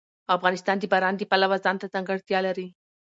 افغانستان د باران د پلوه ځانته ځانګړتیا لري.